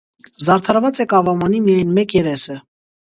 Զարդարված է կավամանի միայն մեկ երեսը։